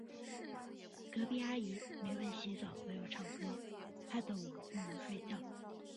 隔壁阿姨每晚洗澡都要唱歌，害得我不能睡觉。